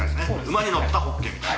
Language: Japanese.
馬に乗ったホッケーみたいな。